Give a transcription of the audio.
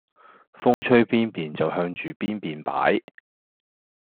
風吹邊便就向住邊便擺